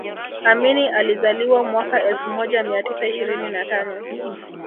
amini alizaliwa mwaka elfu moja mia tisa ishirini na tano